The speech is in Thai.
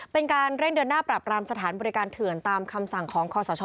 เป็นการเร่งเดินหน้าปรับรามสถานบริการเถื่อนตามคำสั่งของคอสช